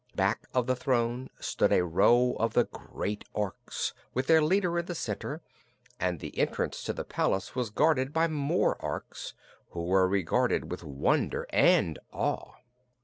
Back of the throne stood a row of the great Orks, with their leader in the center, and the entrance to the palace was guarded by more Orks, who were regarded with wonder and awe.